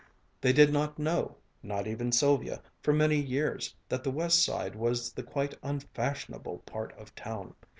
They did not know, not even Sylvia, for many years, that the West Side was the quite unfashionable part of town.